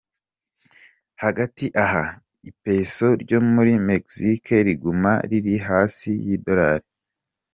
Hagati aho i Peso ryo muri Mexique riguma riri hasi y'i dolari.